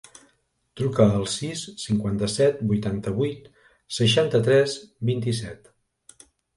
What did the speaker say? Truca al sis, cinquanta-set, vuitanta-vuit, seixanta-tres, vint-i-set.